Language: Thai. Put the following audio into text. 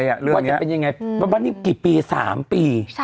ว่าจะเป็นยังไงวันนี้กี่ปี๓ปี